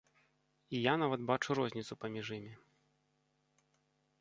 І я нават бачу розніцу паміж імі.